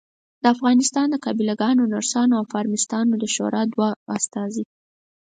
د افغانستان د قابلګانو ، نرسانو او فارمیسټانو شورا دوه استازي